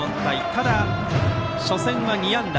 ただ、初戦は２安打。